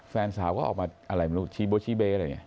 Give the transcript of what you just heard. แฟนสาวก็ออกมาอะไรไม่รู้ชี้โบชีเบ๊อะไรอย่างนี้